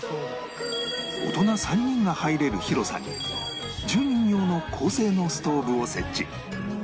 大人３人が入れる広さに１０人用の高性能ストーブを設置